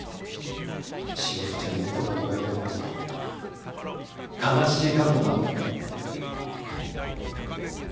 詩織ちゃんに子供がいたことも悲しい過去があったことも。